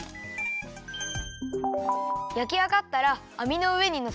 やきあがったらあみのうえにのせてさますよ。